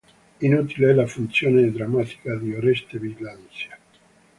Inutile è la funzione drammatica di Oreste Bilancia.